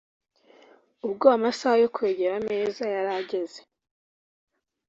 ubwo amasaha yo kwegera ameza yarageze